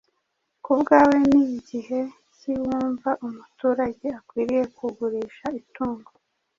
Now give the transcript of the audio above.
Ku bwawe ni gihe ki wumva umuturage akwiriye kugurisha itungo